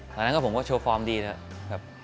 ตอนนั้นผมก็โชว์ฟอร์มดีแล้วแบบ